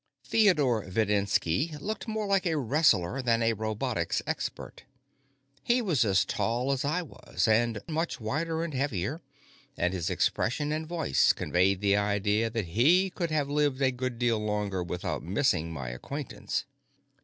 Theodore Videnski looked more like a wrestler than a robotics expert. He was as tall as I was and much wider and heavier, and his expression and voice conveyed the idea that he could have lived a good deal longer without missing my acquaintance.